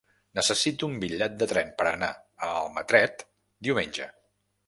Necessito un bitllet de tren per anar a Almatret diumenge.